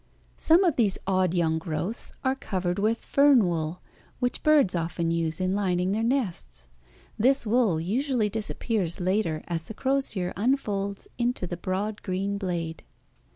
Some of these odd young growths are covered with "fern wool," which birds often use in lining their nests. This wool usually disappears later as the crosier unfolds into the broad green blade.